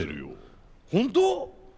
本当？